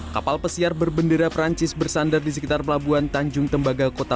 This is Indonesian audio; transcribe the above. kapal pesiar berbendera perancis bersandar di sekitar pelabuhan tanjung tembaga kota